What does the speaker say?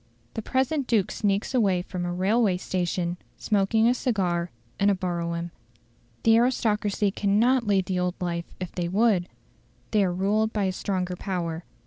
The present Duke sneaks away from a railway station, smoking a cigar, in a brougham." The aristocracy cannot lead the old life if they would; they are ruled by a stronger power.